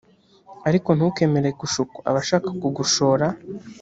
ariko ntukemere gushukwa abashaka kugushora